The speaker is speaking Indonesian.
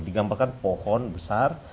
digambarkan pohon besar